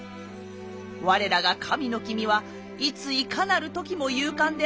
我らが神の君はいついかなる時も勇敢であらせられました。